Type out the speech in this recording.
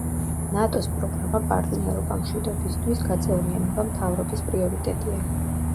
ნატო-ს პროგრამა „პარტნიორობა მშვიდობისთვის“ გაწევრიანება მთავრობის პრიორიტეტია.